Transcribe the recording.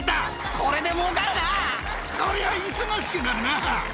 こりゃ、忙しくなるな。